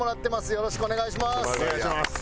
よろしくお願いします。